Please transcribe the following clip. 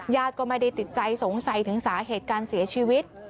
ญาติก็ไม่ได้ติดใจสงสัยถึงสาเหตุการเสียชีวิต